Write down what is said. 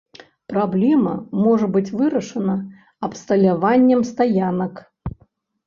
Праблема можа быць вырашана абсталяваннем стаянак.